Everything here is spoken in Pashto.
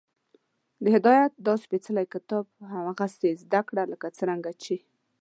د هدایت دا سپېڅلی کتاب هغسې زده کړو، لکه څنګه چې